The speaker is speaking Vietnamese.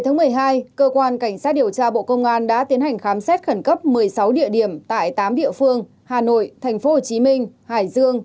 ngày một mươi hai cơ quan cảnh sát điều tra bộ công an đã tiến hành khám xét khẩn cấp một mươi sáu địa điểm tại tám địa phương hà nội tp hcm hải dương